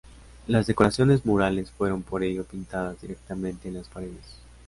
Las decoraciones murales fueron por ello pintadas directamente en las paredes.